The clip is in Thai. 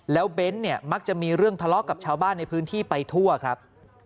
แล้วเบ้นเนี่ยมักจะมีเรื่องทะเลาะกับชาวบ้านในพื้นที่ไปทั่วครับ